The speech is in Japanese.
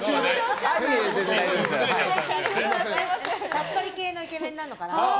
さっぱり系のイケメンなのかな？